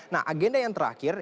nah agenda yang terakhir